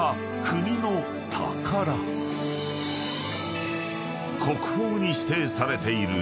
［国宝に指定されている］